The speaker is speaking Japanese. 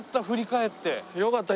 よかった。